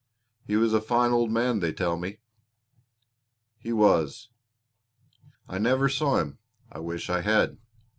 "He was a fine old man, they tell me." "He was." "I never saw him I wish I had.